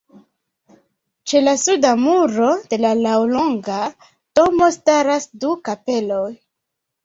Ĉe la suda muro de la laŭlonga domo staras du kapeloj.